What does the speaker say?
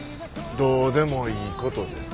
どうでもいい事です。